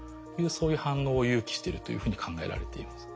そういう反応を誘起してるというふうに考えられています。